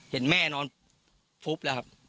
เห็นแม่นอนฟุบแล้วครับ